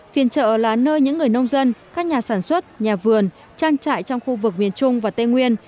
phiên chợ là nơi những người nông dân các nhà sản xuất nhà vườn trang trại trong khu vực miền trung và tây nguyên